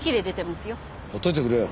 ほっといてくれよ。